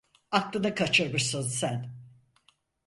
Aklını kaçırmışsın sen.